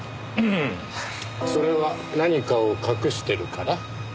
それは何かを隠してるから？